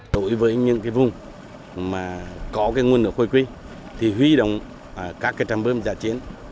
đối với những cái vùng mà có cái nguồn nước khôi quy thì huy động các cái trăm bơm giả chiến